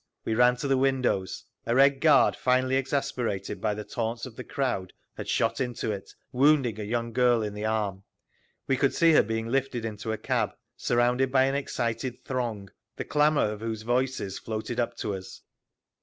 We ran to the windows. A Red Guard, finally exasperated by the taunts of the crowd, had shot into it, wounding a young girl in the arm. We could see her being lifted into a cab, surrounded by an excited throng, the clamour of whose voices floated up to us.